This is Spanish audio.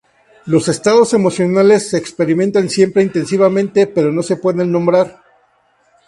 Los estados emocionales se experimentan siempre intensivamente, pero no se pueden nombrar.